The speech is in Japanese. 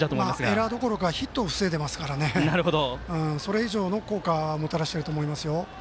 エラーどころかヒットを防いでいるのでそれ以上の効果をもたらしていると思います。